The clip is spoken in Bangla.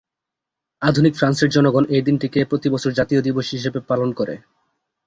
আধুনিক ফ্রান্সের জনগণ এ দিনটিকে প্রতি বছর জাতীয় দিবস হিসেবে পালন করে।